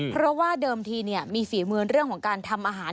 เพราะว่าเดิมทีมีฝีมือเรื่องของการทำอาหาร